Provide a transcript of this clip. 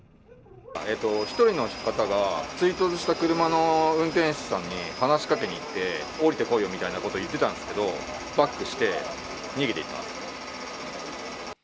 １人の方が追突した車の運転手さんに話しかけに行って、降りてこいよみたいなことを言ってたんですけど、バックして、逃げていったんです。